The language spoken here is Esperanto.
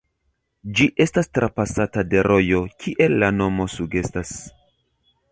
Ĝi estas trapasata de rojo, kiel la nomo sugestas.